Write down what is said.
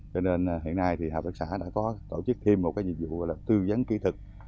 cho nên hiện nay thì hạ bắc xã đã có tổ chức thêm một cái dịch vụ là tư vấn kỹ thuật